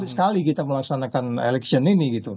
sekali kita melaksanakan eleksi ini